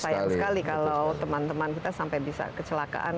sayang sekali kalau teman teman kita sampai bisa kecelakaan